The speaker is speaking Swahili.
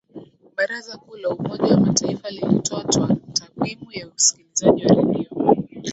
baraza kuu la umoja wa mataifa lilitoa takwimu ya usikilizaji wa redio